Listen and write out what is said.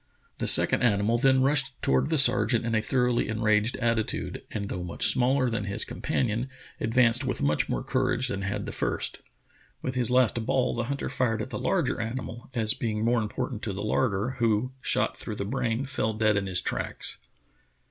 The second animal then rushed toward the sergeant in a thoroughly en raged attitude, and though much smaller than his com panion advanced with much more courage than had the first. With his last ball the hunter fired at the larger animal, as being more important to the larder, who, shot through the brain, fell dead in his tracks.